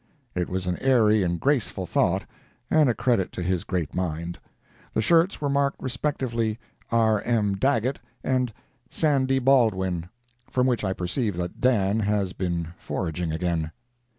It was an airy and graceful thought, and a credit to his great mind. The shirts were marked respectively "R. M. Daggett" and "Sandy Baldwin," from which I perceive that Dan has been foraging again.